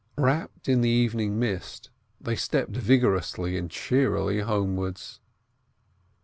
Wrapped in the evening mist, they stepped vigorously and cheerily homewards.